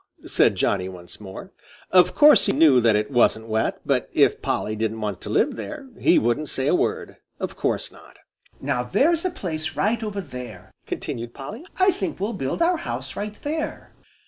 said Johnny once more. Of course he knew that it wasn't wet, but if Polly didn't want to live there, he wouldn't say a word. Of course not. "Now there's a place right over there," continued Polly. "I think we'll build our house right there."